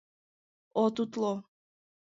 - От утло!